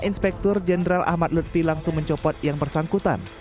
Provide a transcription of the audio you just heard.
inspektur jenderal ahmad lutfi langsung mencopot yang bersangkutan